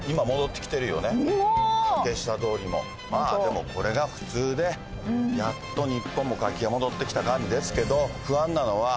まあでもこれが普通でやっと日本も活気が戻ってきた感じですけど。